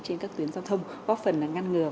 trên các tuyến giao thông góp phần ngăn ngừa